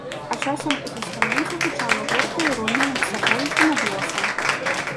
А часам у тастаменце гучала горкая іронія над сабой і над лёсам.